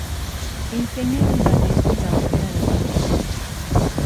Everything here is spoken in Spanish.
Enseña en el ballet de la Opera de Paris.